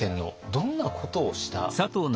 どんなことをした天皇？